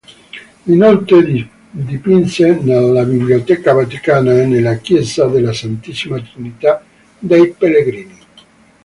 Inoltre dipinse nella Biblioteca Vaticana e nella chiesa della Santissima Trinità dei Pellegrini.